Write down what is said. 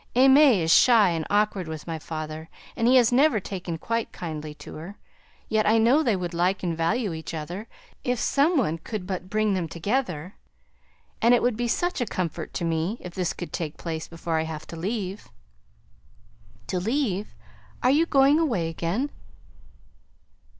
AimÄe is shy and awkward with my father, and he has never taken quite kindly to her, yet I know they would like and value each other, if some one could but bring them together, and it would be such a comfort to me if this could take place before I have to leave." "To leave are you going away again?"